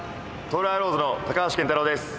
東レアローズの高橋健太郎です。